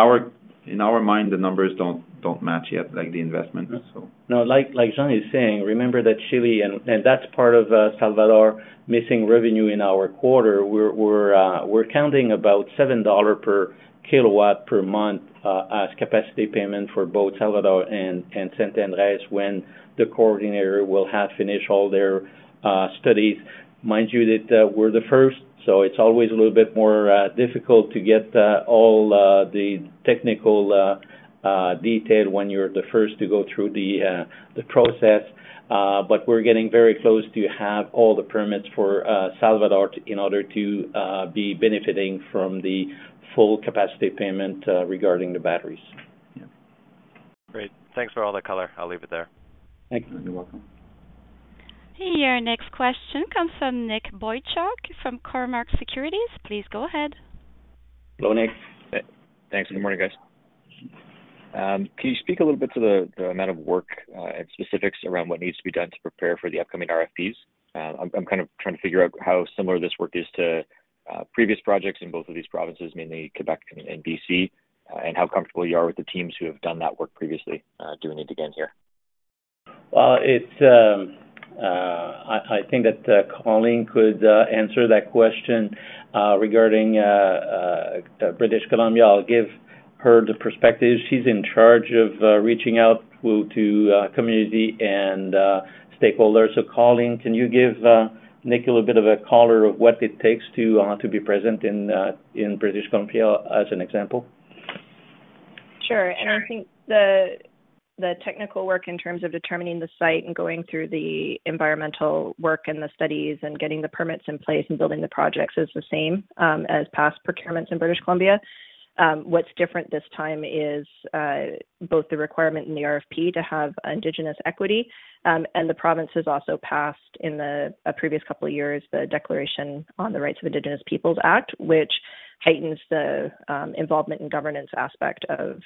our mind, the numbers don't match yet, the investments, so. No. Like Jean is saying, remember that Chile, and that's part of Salvador missing revenue in our quarter. We're counting about $7 per kW per month as capacity payment for both Salvador and San Andrés when the coordinator will have finished all their studies. Mind you that we're the first. So it's always a little bit more difficult to get all the technical detail when you're the first to go through the process. But we're getting very close to having all the permits for Salvador in order to be benefiting from the full capacity payment regarding the batteries. Great. Thanks for all the color. I'll leave it there. Thanks. You're welcome. Hey. Your next question comes from Nick Boychuk from Cormark Securities. Please go ahead. Hello, Nick. Thanks. Good morning, guys. Can you speak a little bit to the amount of work and specifics around what needs to be done to prepare for the upcoming RFPs? I'm kind of trying to figure out how similar this work is to previous projects in both of these provinces, mainly Quebec and BC, and how comfortable you are with the teams who have done that work previously. Do we need to get in here? Well, I think that Colleen could answer that question regarding British Columbia. I'll give her the perspective. She's in charge of reaching out to community and stakeholders. So Colleen, can you give Nick a little bit of a color of what it takes to be present in British Columbia as an example? Sure. And I think the technical work in terms of determining the site and going through the environmental work and the studies and getting the permits in place and building the projects is the same as past procurements in British Columbia. What's different this time is both the requirement and the RFP to have indigenous equity. And the province has also passed, in the previous couple of years, the Declaration on the Rights of Indigenous Peoples Act, which heightens the involvement and governance aspect of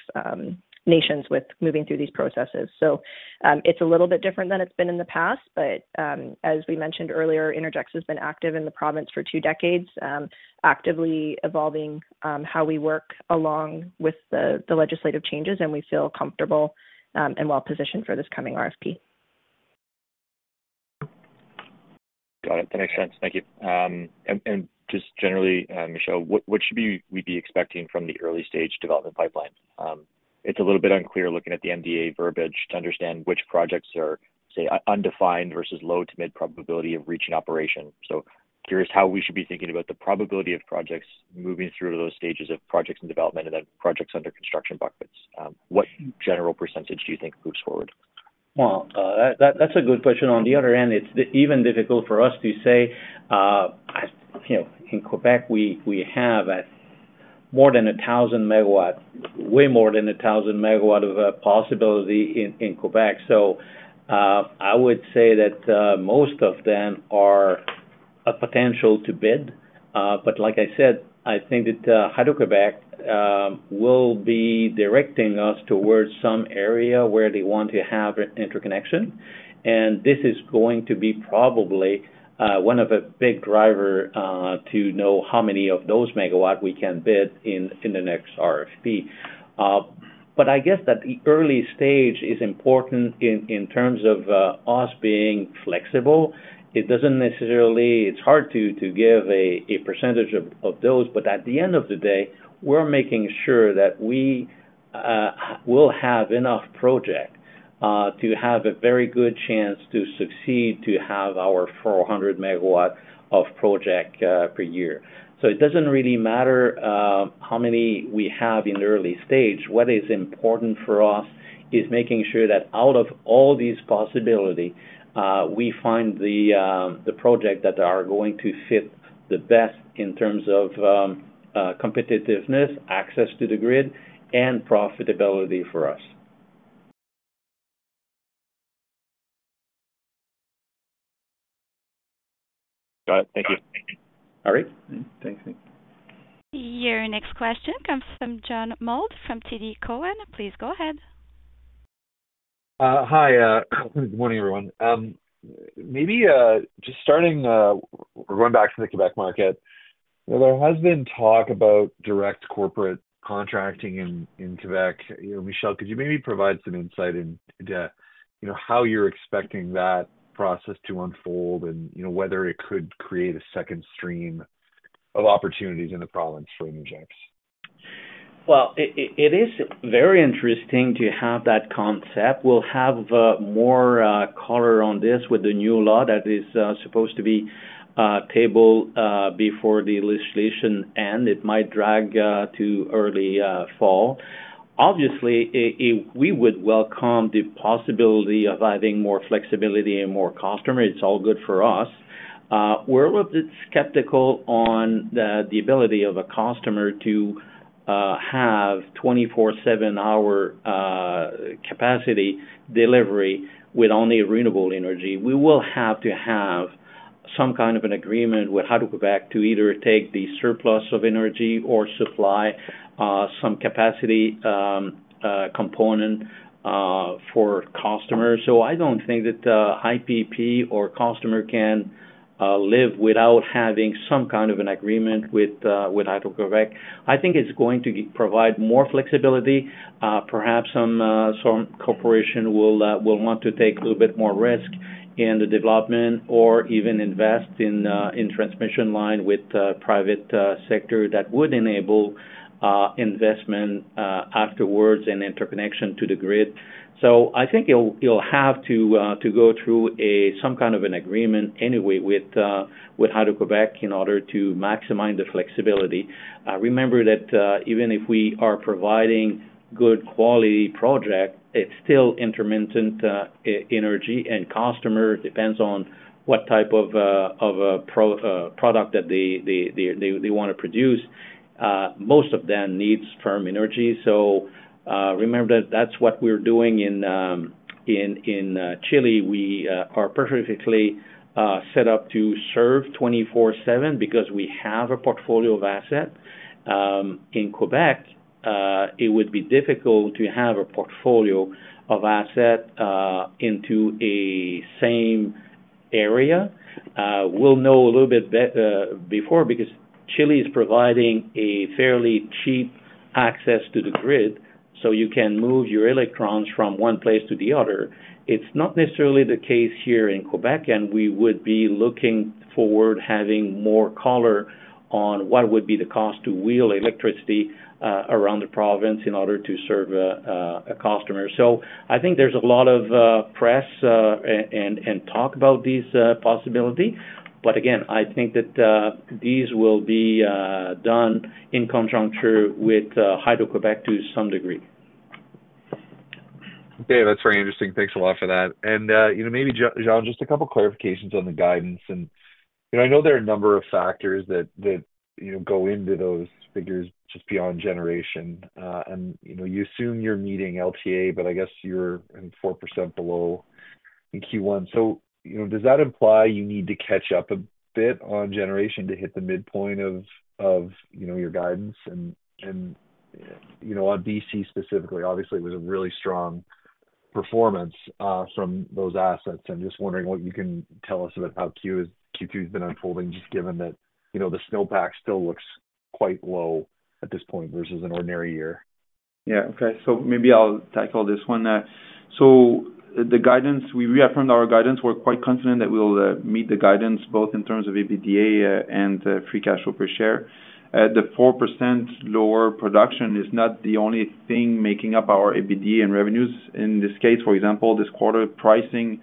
nations with moving through these processes. So it's a little bit different than it's been in the past. But as we mentioned earlier, Innergex has been active in the province for two decades, actively evolving how we work along with the legislative changes. And we feel comfortable and well-positioned for this coming RFP. Got it. That makes sense. Thank you. And just generally, Michel, what should we be expecting from the early-stage development pipeline? It's a little bit unclear looking at the MD&A verbiage to understand which projects are, say, undefined versus low to mid-probability of reaching operation. So curious how we should be thinking about the probability of projects moving through those stages of projects in development and then projects under construction buckets. What general percentage do you think moves forward? Well, that's a good question. On the other hand, it's even difficult for us to say. In Quebec, we have more than 1,000 megawatt, way more than 1,000 megawatt of possibility in Quebec. So I would say that most of them are a potential to bid. But like I said, I think that Hydro-Québec will be directing us towards some area where they want to have interconnection. And this is going to be probably one of the big drivers to know how many of those megawatt we can bid in the next RFP. But I guess that the early stage is important in terms of us being flexible. It's hard to give a percentage of those. But at the end of the day, we're making sure that we will have enough projects to have a very good chance to succeed to have our 400 megawatt of projects per year. It doesn't really matter how many we have in the early stage. What is important for us is making sure that out of all these possibilities, we find the projects that are going to fit the best in terms of competitiveness, access to the grid, and profitability for us. Got it. Thank you. All right. Thanks. Your next question comes from John Mould from TD Cowen. Please go ahead. Hi. Good morning, everyone. Maybe just starting going back to the Quebec market, there has been talk about direct corporate contracting in Quebec. Michel, could you maybe provide some insight into how you're expecting that process to unfold and whether it could create a second stream of opportunities in the province for Innergex? Well, it is very interesting to have that concept. We'll have more color on this with the new law that is supposed to be tabled before the legislation ends. It might drag to early fall. Obviously, we would welcome the possibility of having more flexibility and more customers. It's all good for us. We're a little bit skeptical on the ability of a customer to have 24/7-hour capacity delivery with only renewable energy. We will have to have some kind of an agreement with Hydro-Québec to either take the surplus of energy or supply some capacity component for customers. So I don't think that IPP or customer can live without having some kind of an agreement with Hydro-Québec. I think it's going to provide more flexibility. Perhaps some corporation will want to take a little bit more risk in the development or even invest in transmission line with private sector that would enable investment afterwards and interconnection to the grid. So I think you'll have to go through some kind of an agreement anyway with Hydro-Québec in order to maximize the flexibility. Remember that even if we are providing good-quality projects, it's still intermittent energy and customer. It depends on what type of product that they want to produce. Most of them need firm energy. So remember that that's what we're doing in Chile. We are perfectly set up to serve 24/7 because we have a portfolio of assets. In Quebec, it would be difficult to have a portfolio of assets into a same area. We'll know a little bit before because Chile is providing a fairly cheap access to the grid, so you can move your electrons from one place to the other. It's not necessarily the case here in Québec. We would be looking forward to having more color on what would be the cost to wheel electricity around the province in order to serve a customer. So I think there's a lot of press and talk about this possibility. But again, I think that these will be done in conjunction with Hydro-Québec to some degree. Okay. That's very interesting. Thanks a lot for that. And maybe, Jean, just a couple of clarifications on the guidance. And I know there are a number of factors that go into those figures just beyond generation. And you assume you're meeting LTA, but I guess you're 4% below in Q1. So does that imply you need to catch up a bit on generation to hit the midpoint of your guidance? And on BC specifically, obviously, it was a really strong performance from those assets. And just wondering what you can tell us about how Q2 has been unfolding, just given that the snowpack still looks quite low at this point versus an ordinary year. Yeah. Okay. So maybe I'll tackle this one. So we reaffirmed our guidance. We're quite confident that we'll meet the guidance both in terms of EBITDA and Free Cash Flow per share. The 4% lower production is not the only thing making up our EBITDA and revenues. In this case, for example, this quarter, pricing,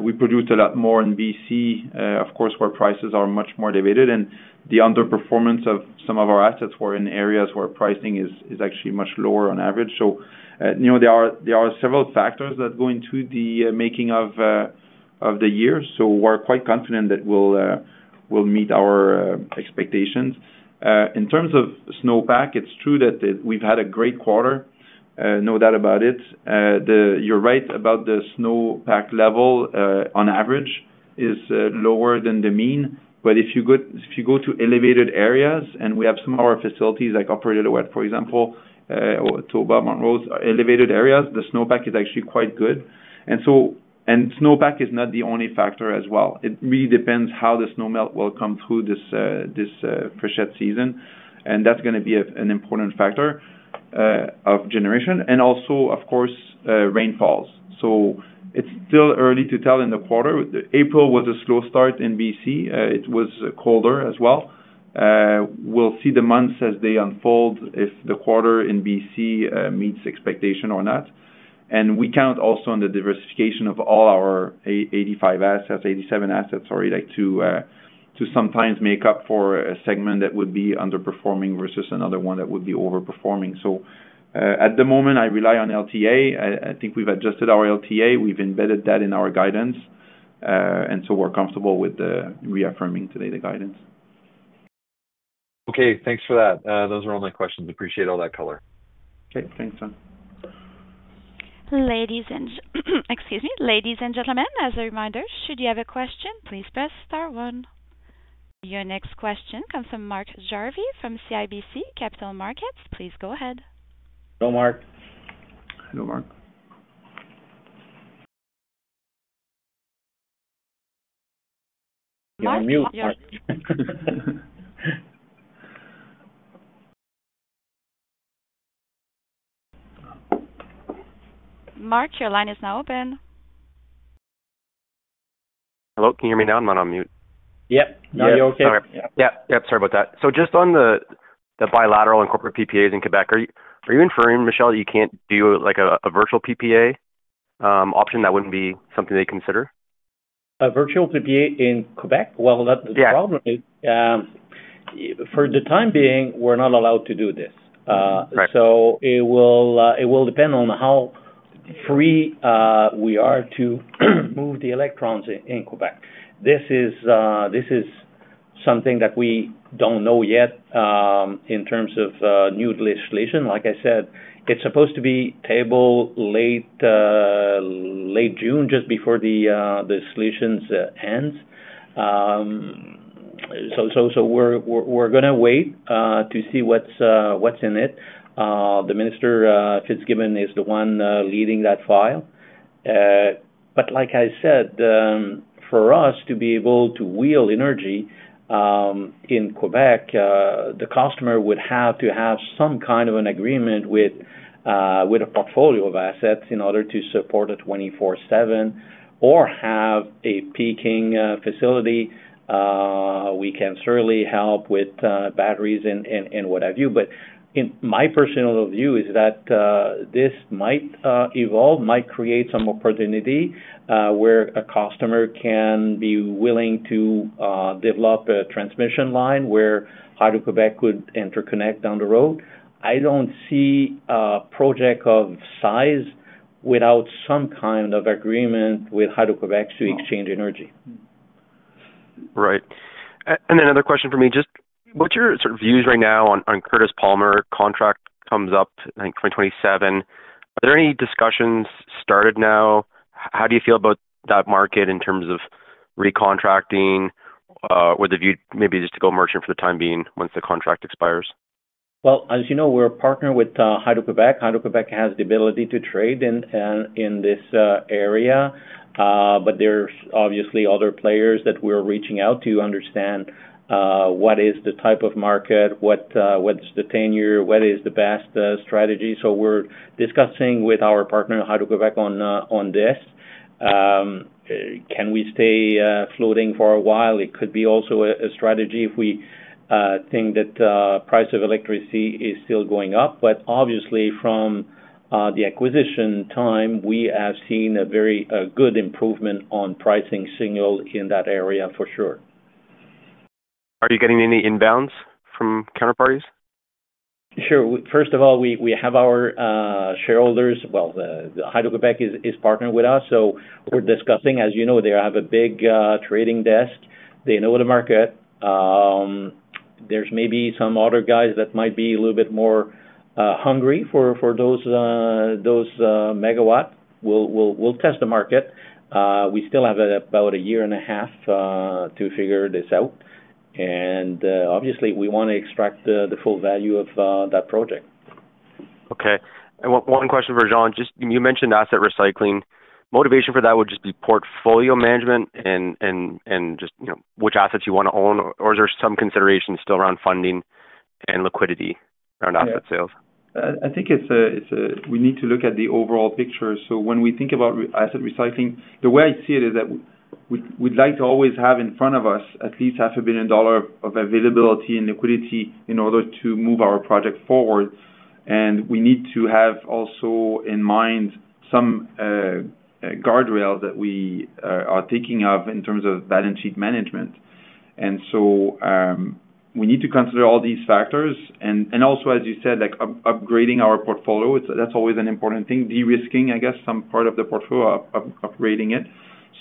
we produced a lot more in BC. Of course, where prices are much more elevated. And the underperformance of some of our assets were in areas where pricing is actually much lower on average. So there are several factors that go into the making of the year. So we're quite confident that we'll meet our expectations. In terms of snowpack, it's true that we've had a great quarter. No doubt about it. You're right about the snowpack level. On average, it's lower than the mean. But if you go to elevated areas and we have some of our facilities like Upper Lillooet, for example, Toba, Montrose, elevated areas, the snowpack is actually quite good. And snowpack is not the only factor as well. It really depends how the snowmelt will come through this freshet season. And that's going to be an important factor of generation. And also, of course, rainfalls. So it's still early to tell in the quarter. April was a slow start in BC. It was colder as well. We'll see the months as they unfold if the quarter in BC meets expectation or not. And we count also on the diversification of all our 85 assets, 87 assets, sorry, to sometimes make up for a segment that would be underperforming versus another one that would be overperforming. So at the moment, I rely on LTA. I think we've adjusted our LTA. We've embedded that in our guidance. And so we're comfortable with reaffirming today the guidance. Okay. Thanks for that. Those are all my questions. Appreciate all that color. Okay. Thanks, Jean. Ladies and gentlemen, as a reminder, should you have a question, please press star one. Your next question comes from Mark Jarvi from CIBC Capital Markets. Please go ahead. Hello, Mark. Hello, Mark. You're on mute, Mark. Mark, your line is now open. Hello. Can you hear me now? I'm on mute. Yep. Now you're okay. Yep. Yep. Yep. Sorry about that. So just on the bilateral and corporate PPAs in Quebec, are you inferring, Michel, that you can't do a virtual PPA option? That wouldn't be something they consider? A virtual PPA in Quebec? Well, the problem is, for the time being, we're not allowed to do this. So it will depend on how free we are to move the electrons in Quebec. This is something that we don't know yet in terms of new legislation. Like I said, it's supposed to be tabled late June, just before the legislation ends. So we're going to wait to see what's in it. The Minister, Fitzgibbon, is the one leading that file. But like I said, for us to be able to wheel energy in Quebec, the customer would have to have some kind of an agreement with a portfolio of assets in order to support it 24/7 or have a peaking facility. We can certainly help with batteries and what have you. But my personal view is that this might evolve, might create some opportunity where a customer can be willing to develop a transmission line where Hydro-Québec could interconnect down the road. I don't see a project of size without some kind of agreement with Hydro-Québec to exchange energy. Right. And then another question from me. Just what's your sort of views right now on Curtis Palmer contract comes up in 2027. Are there any discussions started now? How do you feel about that market in terms of recontracting with a view maybe just to go merchant for the time being once the contract expires? Well, as you know, we're a partner with Hydro-Québec. Hydro-Québec has the ability to trade in this area. But there's obviously other players that we're reaching out to understand what is the type of market, what's the tenure, what is the best strategy. So we're discussing with our partner, Hydro-Québec, on this. Can we stay floating for a while? It could be also a strategy if we think that price of electricity is still going up. But obviously, from the acquisition time, we have seen a very good improvement on pricing signal in that area, for sure. Are you getting any inbounds from counterparties? Sure. First of all, we have our shareholders well, Hydro-Québec is partnered with us. So we're discussing. As you know, they have a big trading desk. They know the market. There's maybe some other guys that might be a little bit more hungry for those megawatts. We'll test the market. We still have about a year and a half to figure this out. And obviously, we want to extract the full value of that project. Okay. And one question for Jean. You mentioned asset recycling. Motivation for that would just be portfolio management and just which assets you want to own. Or is there some consideration still around funding and liquidity around asset sales? Yeah. I think we need to look at the overall picture. So when we think about asset recycling, the way I see it is that we'd like to always have in front of us at least 500 million dollar of availability and liquidity in order to move our project forward. And we need to have also in mind some guardrails that we are taking care of in terms of balance sheet management. And so we need to consider all these factors. And also, as you said, upgrading our portfolio. That's always an important thing. Derisking, I guess, some part of the portfolio, upgrading it,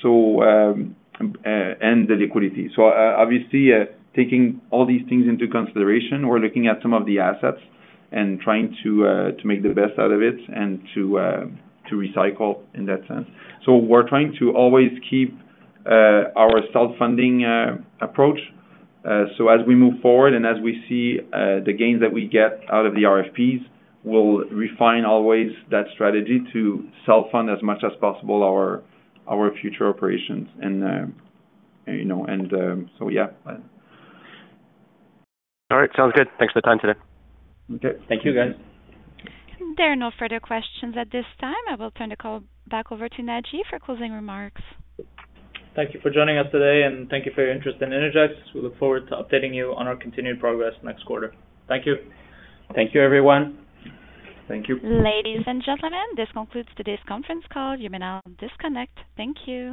and the liquidity. So obviously, taking all these things into consideration, we're looking at some of the assets and trying to make the best out of it and to recycle in that sense. So we're trying to always keep our self-funding approach. As we move forward and as we see the gains that we get out of the RFPs, we'll refine always that strategy to self-fund as much as possible our future operations. So yeah. All right. Sounds good. Thanks for the time today. Okay. Thank you, guys. There are no further questions at this time. I will turn the call back over to Naji for closing remarks. Thank you for joining us today. Thank you for your interest in Innergex. We look forward to updating you on our continued progress next quarter. Thank you. Thank you, everyone. Thank you. Ladies and gentlemen, this concludes today's conference call. You may now disconnect. Thank you.